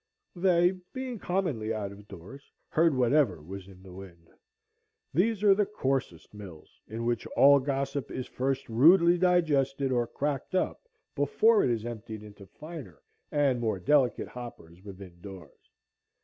They, being commonly out of doors, heard whatever was in the wind. These are the coarsest mills, in which all gossip is first rudely digested or cracked up before it is emptied into finer and more delicate hoppers within doors.